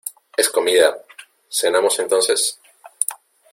¡ es comida! ¿ cenamos, entonces?